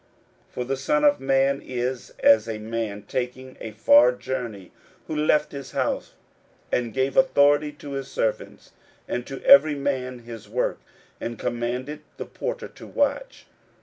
41:013:034 For the Son of Man is as a man taking a far journey, who left his house, and gave authority to his servants, and to every man his work, and commanded the porter to watch.